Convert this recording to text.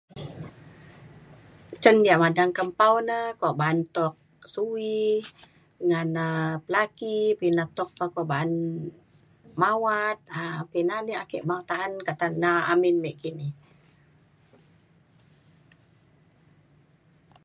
Cen yak madang kembau na kuak ba'an tuk su'i ngen na pelaki pinu tuk pa ba'an mawat um pina na ya ake makan ka tena amin mek kini.